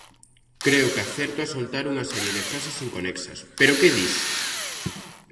Creo que acerto a soltar unha serie de frases inconexas, "pero que dis".